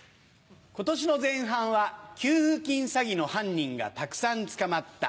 今年の前半は給付金詐欺の犯人がたくさん捕まった。